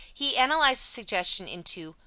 He analyzes suggestion into 1.